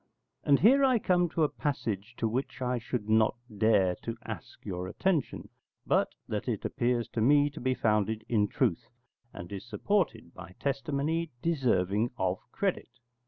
And here I come to a passage to which I should not dare to ask your attention, but that it appears to me to be founded in truth, and is supported by testimony deserving of credit.